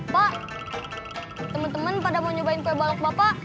pak teman teman pada mau nyobain kue balok bapak